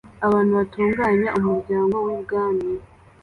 abantu batunganya umuryango wibwami